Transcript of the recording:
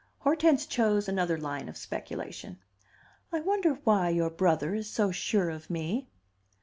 Hortense chose another line of speculation. "I wonder why your brother is so sure of me?"